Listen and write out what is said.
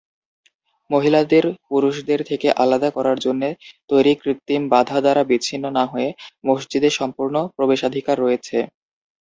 মহিলাদের পুরুষদের থেকে আলাদা করার জন্য তৈরি কৃত্রিম বাধা দ্বারা বিচ্ছিন্ন না হয়ে মসজিদে সম্পূর্ণ প্রবেশাধিকার রয়েছে।